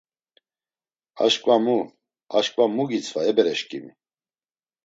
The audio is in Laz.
Aşǩva mu; aşǩva mu gitzva e bereşǩimi?